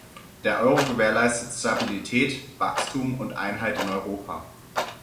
Der Euro gewährleistet Stabilität, Wachstum und Einheit in Europa.